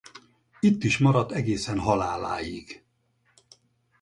Itt is maradt egészen haláláig.